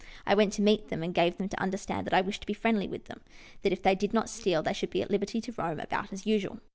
I went to meet them, and gave them to under stand that I wished to be friendly with them ; that if they did not steal, they should be at liberty to roam about as usual.